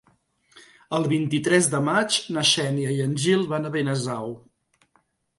El vint-i-tres de maig na Xènia i en Gil van a Benasau.